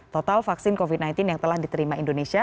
total vaksin covid sembilan belas yang telah diterima indonesia